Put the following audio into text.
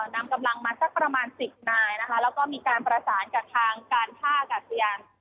นำกำลังมาสักประมาณสิบนายนะคะแล้วก็มีการประสานกับทางการท่าอากาศยาน